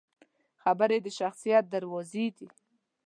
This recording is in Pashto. خبرې د شخصیت دروازې دي